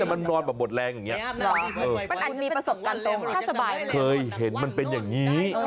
หนูขนานนี้ยังไม่ตื่นอะเอาสิ